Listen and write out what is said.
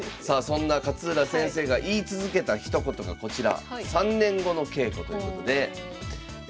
そんな勝浦先生が言い続けたひと言がこちら。